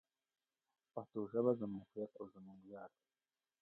پښتو ژبه زموږ هویت او زموږ ویاړ دی.